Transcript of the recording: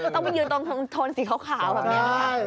ต้องไปยืนตรงโทนสีขาวแบบนี้ค่ะ